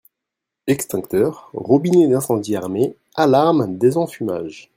Extincteurs, Robinet d'Incendie Armé, Alarme, Désenfumage.